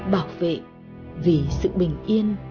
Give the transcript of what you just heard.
bảo vệ vì sự bình yên